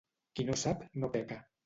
Qui no sap, no peca.